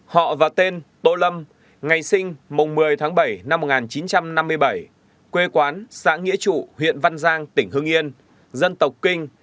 họ và tên tô lâm ngày sinh mùng một mươi tháng bảy năm một nghìn chín trăm năm mươi bảy quê quán xã nghĩa trụ huyện văn giang tỉnh hưng yên dân tộc kinh